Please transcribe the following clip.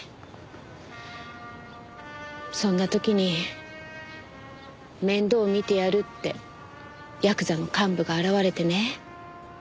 そんな時に面倒見てやるってヤクザの幹部が現れてね。